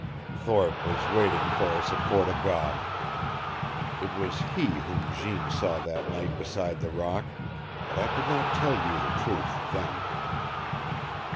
Thorpe was waiting for us at Fort o' God. It was he whom Jeanne saw that night beside the rock, but I could not tell you the truth then.